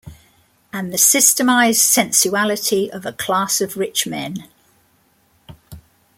And the systematised sensuality of a class of rich men!